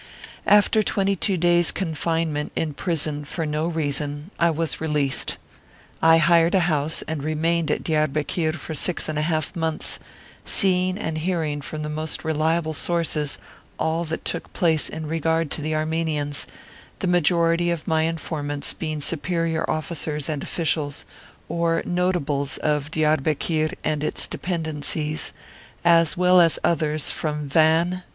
After twenty two days' confinement in prison for no reason, I was released; I hired a house and remained at Diarbekir for six and a half months, seeing and hearing from the most reliable sources all that took place in regard to the Armenians, the majority of my informants being superior officers and officials, or Notables of Diarbekir and its dependencies, as well as others from Van.